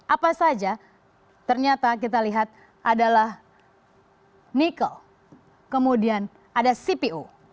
apa saja ternyata kita lihat adalah nikel kemudian ada cpo